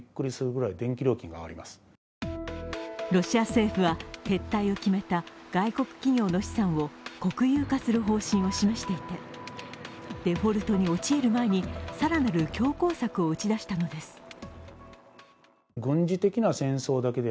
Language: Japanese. ロシア政府は、撤退を決めた外国企業の資産を国有化する方針を示していてデフォルトに陥る前に更なる強硬策を打ち出したのです。